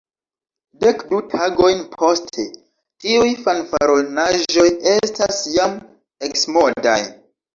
Dek-du tagojn poste, tiuj fanfaronaĵoj estas jam eksmodaj.